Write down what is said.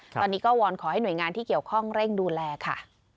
ตอนนี้ก็วอนขอให้หน่วยงานที่เกี่ยวข้องเร่งดูแลค่ะ